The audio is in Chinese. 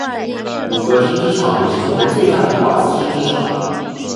五和针织厂也是中国最大的华资针织厂。